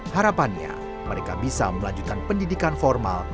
harapannya mereka bisa melanjutkan pendidikan formal